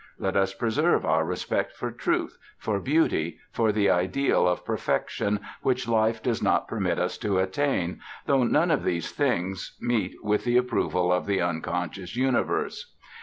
Let us preserve our respect for truth, for beauty, for the ideal of perfection which life does not permit us to attain, though none of these things meet with the approval of the unconscious universe.